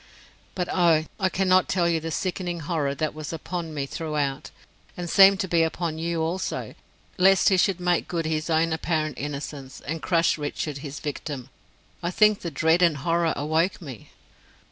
But oh, I cannot tell you the sickening horror that was upon me throughout, and seemed to be upon you also, lest he should make good his own apparent innocence, and crush Richard, his victim. I think the dread and horror awoke me."